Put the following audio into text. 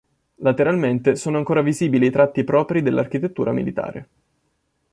Lateralmente sono ancora visibili i tratti propri dell'architettura militare.